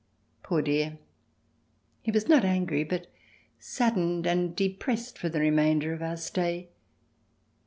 Poor dear ! He was not angry, but saddened and depressed for the remainder of our stay.